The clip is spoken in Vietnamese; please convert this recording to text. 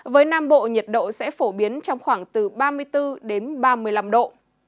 với nam bộ nhiệt độ sẽ phổ biến trong khoảng từ ba mươi bốn đến ba mươi năm độ